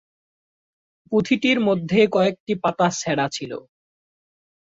পুঁথিটির মধ্যে কয়েকটি পাতা ছেড়া ছিল।